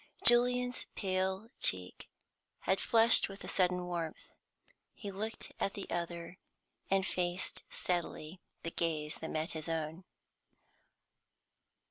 Julian's pale cheek had flushed with a sudden warmth. He looked at the other, and faced steadily the gaze that met his own.